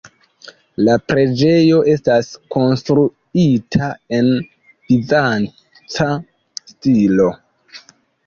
La preĝejo estas konstruita en bizanca stilo.